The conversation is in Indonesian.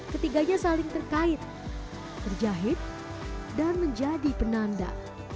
ketiganya saling terkait terjahit dan menjadi penanda